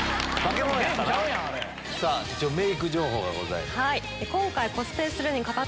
メーク情報がございます。